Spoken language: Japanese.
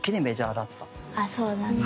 あそうなんだ。